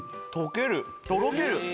とろける。